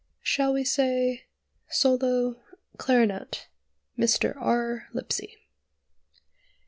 "Shall we say: SOLO (Clarionet) Mr. R. Lipsey."